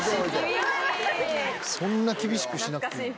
そんな厳しくしなくていい。